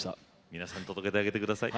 皆さんに届けてあげて下さい。